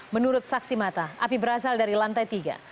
menurut saksi mata api berasal dari lantai tiga